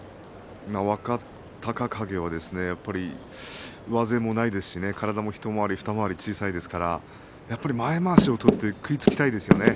若隆景はやっぱり上背もないですし体も一回り二回り小さいですから前まわりを今日取って食いつきたいですよね。